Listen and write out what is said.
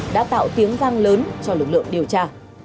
đã tạo tiếng vang lớn cho lực lượng điều tra